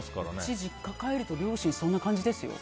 うち実家帰ると両親そんな感じですよ。